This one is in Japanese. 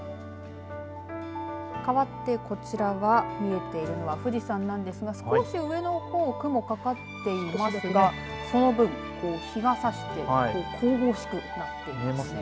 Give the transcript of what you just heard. かわって、こちらは見えているのは富士山なんですが少し上のほう雲がかかっていますがそのぶん、日がさして神々しくなっています。